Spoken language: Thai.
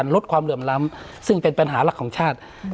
ลดความเหลื่อมล้ำซึ่งเป็นปัญหาหลักของชาติ